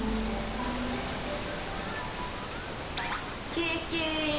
ケケ！